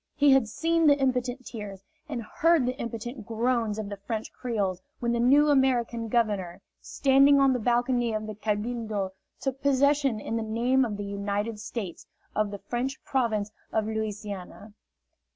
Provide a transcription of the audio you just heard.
He had seen the impotent tears and heard the impotent groans of the French Creoles when the new American governor, standing on the balcony of the cabildo, took possession, in the name of the United States, of the French province of Louisiana.